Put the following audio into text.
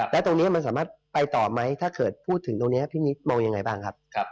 แล้วตรงนี้มันสามารถไปต่อไหมถ้าเกิดพูดถึงตรงนี้พี่นิดมองยังไงบ้างครับ